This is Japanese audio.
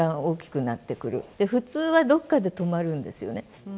普通はどっかで止まるんですよね。